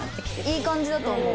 いい感じだと思う。